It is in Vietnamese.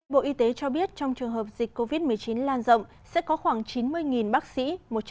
bộ y tế cho biết trong trường hợp dịch covid một mươi chín lan rộng sẽ có khoảng chín mươi bác sĩ